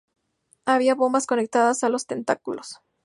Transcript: Había bombas conectadas a los tentáculos.